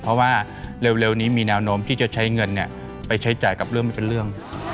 เพราะว่าเร็วนี้มีแนวโน้มที่จะใช้เงินไปใช้จ่ายกับเรื่องไม่เป็นเรื่อง